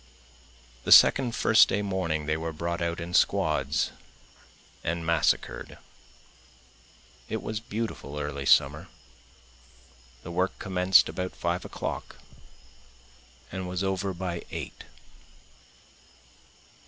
The second First day morning they were brought out in squads and massacred, it was beautiful early summer, The work commenced about five o'clock and was over by eight.